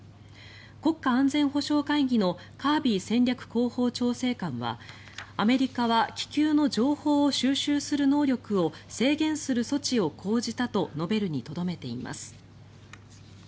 国家安全保障会議のカービー戦略広報調整官はアメリカは、気球の情報を収集する能力を制限する措置を講じたと述べるにとどめています。